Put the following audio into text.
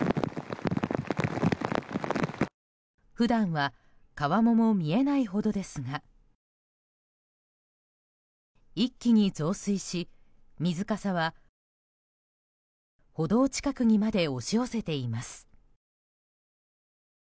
普段は川面も見えないほどですが一気に増水し、水かさは歩道近くにまで押し寄せています。